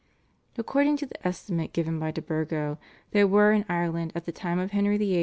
According to the estimate given by De Burgo, there were in Ireland at the time of Henry VIII.